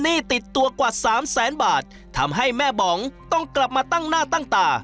ติดตัวกว่าสามแสนบาททำให้แม่บองต้องกลับมาตั้งหน้าตั้งตา